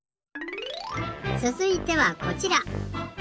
つづいてはこちら。